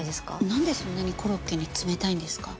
なんでそんなにコロッケに冷たいんですか？